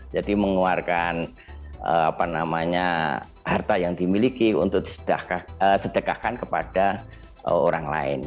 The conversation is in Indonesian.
jadi mengeluarkan apa namanya harta yang dimiliki untuk disedekahkan kepada orang lain